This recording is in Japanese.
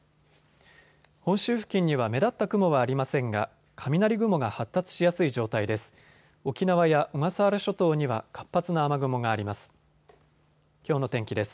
本州付近には目立った雲はありませんが雷雲が発達しやすい状態です。